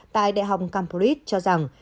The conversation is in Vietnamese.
tại đại học cambridge cho rằng